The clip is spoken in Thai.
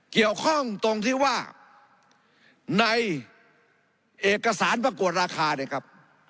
เกี่ยวข้องตรงที่ว่าในเอกสารประกวดราคาเนี่ยครับ